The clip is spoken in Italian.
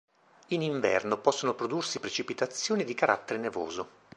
In inverno possono prodursi precipitazioni di carattere nevoso.